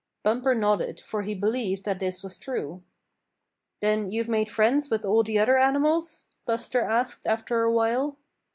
Bumper nodded, for he believed that this was true. "Then you've made friends with all the other animals?" Buster asked after a while.